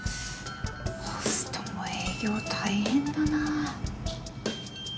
ホストも営業大変だな。